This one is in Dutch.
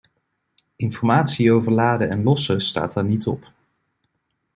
Informatie over laden en lossen staat daar niet op.